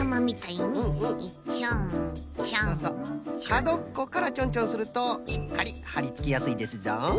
かどっこからチョンチョンするとしっかりはりつきやすいですぞ。